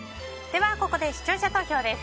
ここで視聴者投票です。